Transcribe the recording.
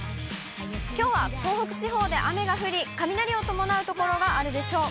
きょうは東北地方で雨が降り、雷を伴う所があるでしょう。